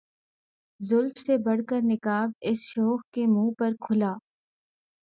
زلف سے بڑھ کر نقاب اس شوخ کے منہ پر کھلا